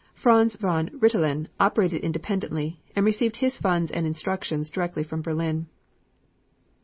Franz von Rintelen operated independently and received his funds and instructions directly from Berlin.